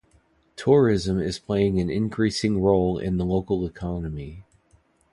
Tourism is playing an increasing role in the local economy.